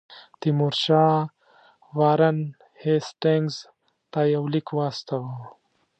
تیمورشاه وارن هیسټینګز ته یو لیک واستاوه.